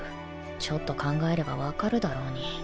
ちょっと考えれば分かるだろうに